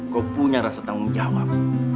kau punya rasa tanggung jawab